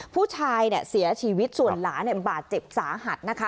ผู้ชายเนี่ยเสียชีวิตส่วนหลานเนี่ยบาดเจ็บสาหัสนะคะ